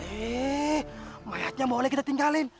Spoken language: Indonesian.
hei mayatnya boleh kita tinggalin